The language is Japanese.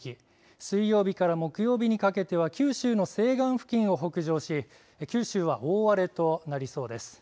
水曜日から木曜日にかけては九州の西岸付近を北上し九州は大荒れとなりそうです。